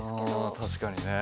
あ確かにね。